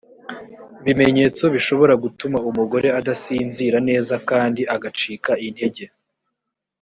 ibimenyetso bishobora gutuma umugore adasinzira neza kandi agacika intege.